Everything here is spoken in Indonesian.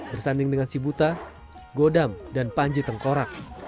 bersanding dengan sibuta godam dan panji tengkorak